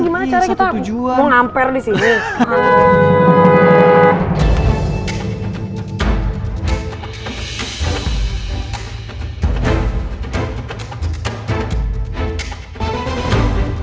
gimana cara kita mau ngamper disini